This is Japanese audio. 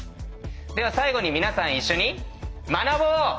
では最後に皆さん一緒に学ぼう！